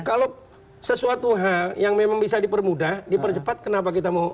kalau sesuatu hal yang memang bisa dipermudah dipercepat kenapa kita mau